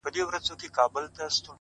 • هغه مړ سو اوس يې ښخ كړلو،